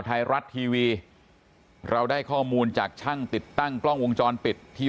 ไทยรัฐทีวีเราได้ข้อมูลจากช่างติดตั้งกล้องวงจรปิดที่